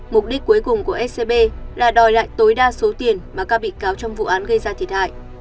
mục đích cuối cùng của scb là đòi lại tối đa số tiền mà các bị cáo trong vụ án gây ra thiệt hại